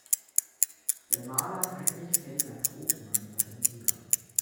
Der Maler Heinrich Ferdinand Hofmann war sein Bruder.